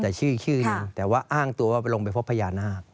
แต่ชื่ออีกชื่อนึงแต่ว่าอ้างตัวลงไปพบพญานาค